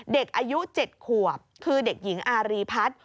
เด็กอายุ๗ขวบคือเด็กหญิงอารีพัฒน์